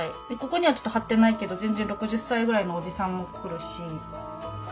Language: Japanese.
ここにはちょっと貼ってないけど全然６０歳ぐらいのおじさんも来るし。